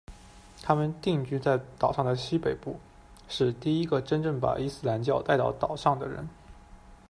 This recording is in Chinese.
他们定居在岛上的西北部，是第一个真正把伊斯兰教带到岛上的人。